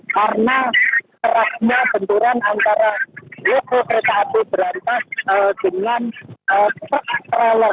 karena terasnya benturan antara lokomotif kereta api berantak dengan truk peralatan